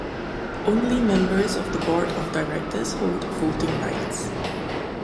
Only members of the Board of Directors hold voting rights.